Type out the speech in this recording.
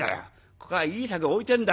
ここはいい酒置いてんだ。